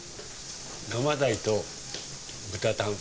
生大と豚タン。